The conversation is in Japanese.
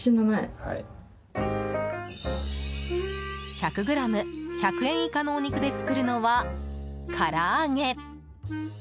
１００ｇ１００円以下のお肉で作るのは、から揚げ。